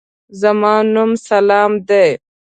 زما نوم سلام دی.